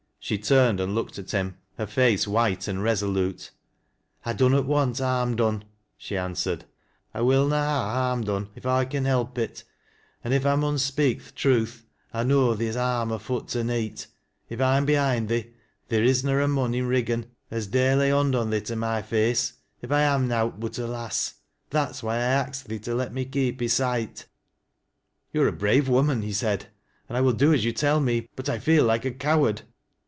She turned and looked at him, her face white and reso lute. " I dunnot want harm done," she answered. " I will na ha' harm done if I con help it, an' if I mun speak th' truth I know theer's harm afoot to neet. If I'm behind thee, theer is na a mon i' Riggan as dare lay hond on theo to my face, if I am nowt but a lass. That's why I ax thee to let me keep i' soight." " You are a brave woman," he said, " and 1 will do ae you tell me, but I feel like a coward."